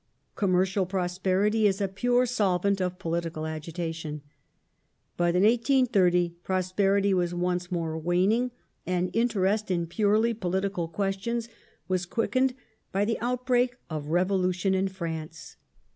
Commercial prosperity I is a sure solvent of political agitation. But by 1830 prosperity 1 was once more waning, and interest in purely political questions J was quickened by the outbreak of revolution in France.